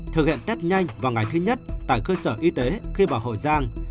thực hiện test nhanh vào ngày thứ nhất tại cơ sở y tế khi vào hậu giang